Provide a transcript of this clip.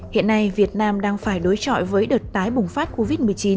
hiện nay việt nam đang phải đối trọi với đợt tái bùng phát covid một mươi chín